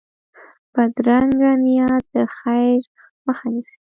بدرنګه نیت د خیر مخه نیسي